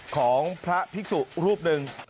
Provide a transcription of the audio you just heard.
ของพระภิกษุรูปหนึ่ง